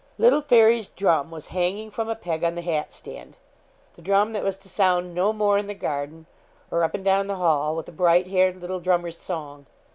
Little Fairy's drum was hanging from a peg on the hat stand the drum that was to sound no more in the garden, or up and down the hall, with the bright haired little drummer's song.